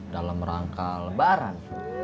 dalam rangka lebaran